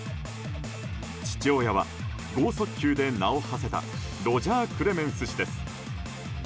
父親は豪速球で名を馳せたロジャー・クレメンス氏です。